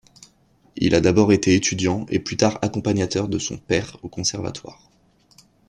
Il a d'abord été étudiant et plus tard accompagnateur de son père au conservatoire.